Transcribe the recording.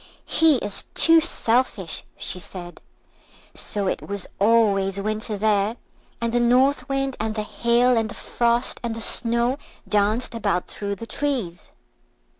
"He is too selfish," she said. So it was always Winter there, and the North Wind, and the Hail, and the Frost, and the Snow danced about through the trees.